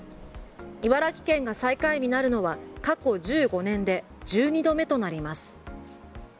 茨城県が最下位になるのは過去１５年で１２度目となります。